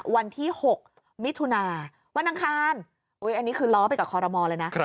วันที่๖มิถุนาวันอังคารอันนี้คือล้อไปกับคอรมอลเลยนะ